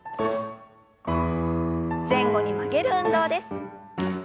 前後に曲げる運動です。